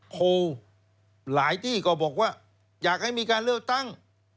โพลหลายที่ก็บอกว่าอยากให้มีการเลือกตั้ง